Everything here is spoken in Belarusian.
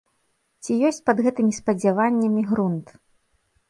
Ці ёсць пад гэтымі спадзяваннямі грунт?